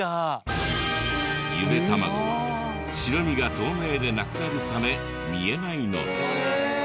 ゆで卵は白身が透明でなくなるため見えないのです。